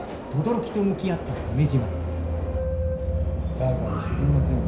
だから知りませんよ